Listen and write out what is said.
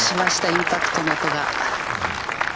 インパクトの音が。